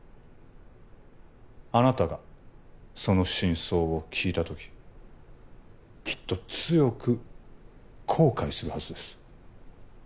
あなたがその真相を聞いた時きっと強く後悔するはずです